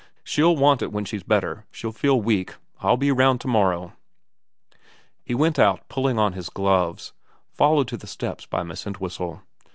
She'll want it when she's better. She'll feel weak. I'll be round to morrow.' He went out pulling on his gloves, followed to the steps by Miss Entwhistle.